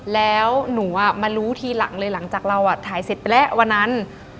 แล้วหนูมารู้ทีหลังเลยหลังจากเราถ่ายเสร็จไปแล้ววันนั้น